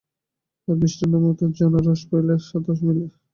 আর, মিষ্টান্নমিতরে জনাঃ, রস পেলে দশে মিলে।